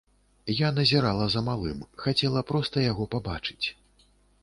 Я назірала за малым, хацела проста яго пабачыць.